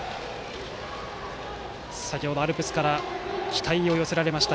先程アルプスから期待を寄せられました